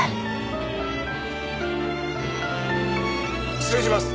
失礼します！